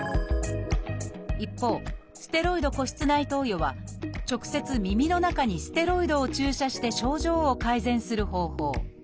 一方ステロイド鼓室内投与は直接耳の中にステロイドを注射して症状を改善する方法。